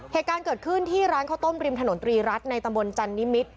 เหตุการณ์เกิดขึ้นที่ร้านข้าวต้มริมถนนตรีรัฐในตำบลจันนิมิตร